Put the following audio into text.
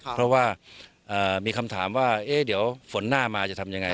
เพราะว่ามีคำถามว่าเดี๋ยวฝนหน้ามาจะทำยังไง